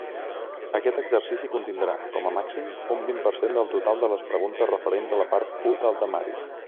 Aquest exercici contindrà, com a màxim, un vint per cent del total de les preguntes referents a la part u del temari.